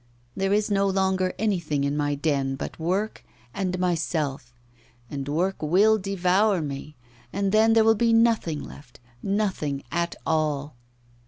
There is no longer anything in my den but work and myself and work will devour me, and then there will be nothing left, nothing at all!